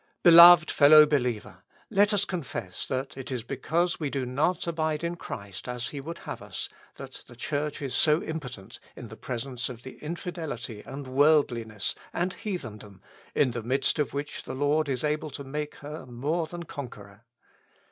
Beloved fellow believer ! let us confess that it is because we do not abide in Christ as He would have us, that the Church is so impotent in presence of the infidelity and worldliness and heathendom, in the midst of which the Lord is able to make her more than conqueror.